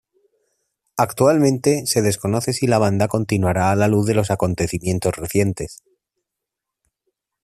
Actualmente se desconoce si la banda continuará a la luz de los acontecimientos recientes.